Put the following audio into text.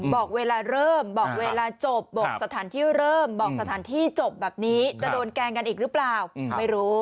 บอกเวลาเริ่มบอกเวลาจบบอกสถานที่เริ่มบอกสถานที่จบแบบนี้จะโดนแกล้งกันอีกหรือเปล่าไม่รู้